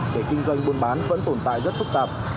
để kinh doanh buôn bán vẫn tồn tại rất phức tạp